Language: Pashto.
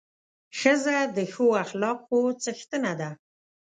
ښځه د ښو اخلاقو څښتنه ده.